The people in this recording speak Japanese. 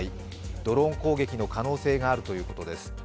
ドローン攻撃の可能性があるということです。